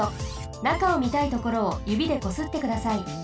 なかをみたいところをゆびでこすってください。